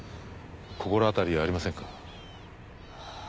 心当たりありませんか？